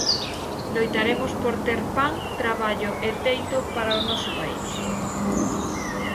Loitaremos por ter pan, traballo e teito para o noso país.